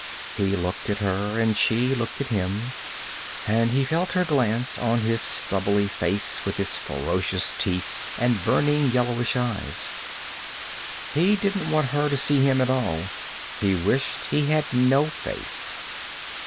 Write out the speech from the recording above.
He looked at her and she looked at him, and he felt her glance on his stubbly face with its ferocious teeth and burning yellowish eyes. He didn't want her to see him at all; he wished he had no face.